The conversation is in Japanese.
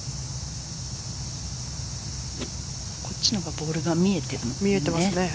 こっちの方がボールが見えていますね。